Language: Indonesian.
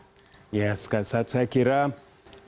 ya sekat saat saya kira yang dimaksud oleh beliau mengatakan